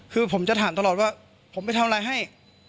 คือผมจะถามตลอดว่าผมไปทำอะไรให้